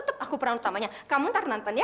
tetep aku peran utamanya kamu ntar nonton ya